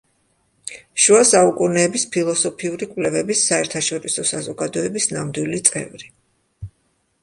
შუა საუკუნეების ფილოსოფიური კვლევების საერთაშორისო საზოგადოების ნამდვილი წევრი.